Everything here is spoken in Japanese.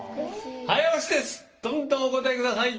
早押しですどんどんお答えください。